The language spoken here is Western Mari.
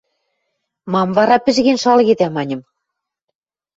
– Мам вара пӹжген шалгедӓ? – маньым.